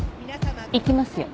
行きますよ。